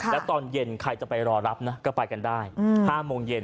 แล้วตอนเย็นใครจะไปรอรับนะก็ไปกันได้๕โมงเย็น